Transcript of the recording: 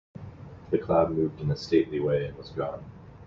The cloud moved in a stately way and was gone.